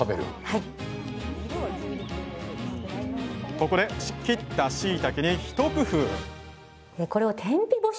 ここで切ったしいたけに一工夫！